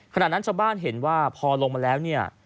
ขณะนั้นชาวบ้านเห็นว่าพอลงมาแล้วเนี่ย